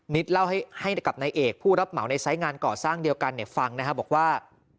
เล่าให้กับนายเอกผู้รับเหมาในไซส์งานก่อสร้างเดียวกันฟังนะครับบอกว่า